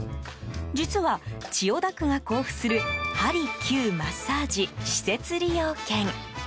実は、千代田区が交付するはり・きゅう・マッサージ施設利用券。